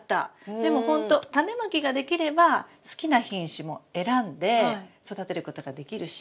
でもほんとタネまきができれば好きな品種も選んで育てることができるし。